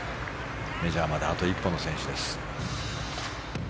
メジャーまであと一歩の選手です。